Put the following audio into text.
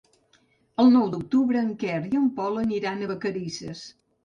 El nou d'octubre en Quer i en Pol aniran a Vacarisses.